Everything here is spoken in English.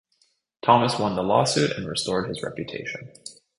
Thomas won the lawsuit and restored his reputation.